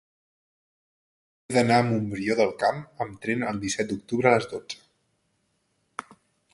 He d'anar a Montbrió del Camp amb tren el disset d'octubre a les dotze.